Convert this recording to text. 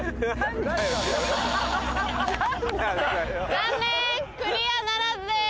残念クリアならずです！